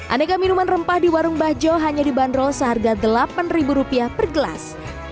aneka minuman rempah di warung bajo hanya dibanderol seharga rp delapan per gelas